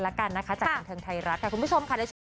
ว่าตอนนี้ประมาณเท่าไหนแล้วอนาคตจะเป็นยังไง